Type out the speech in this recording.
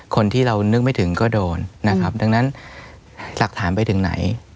คนที่เรานึกไม่ถึงก็โดนนะครับดังนั้นหลักฐานไปถึงไหน